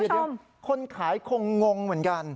เดี๋ยวคนขายคงงเหมือนกัน